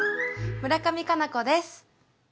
村上佳菜子です。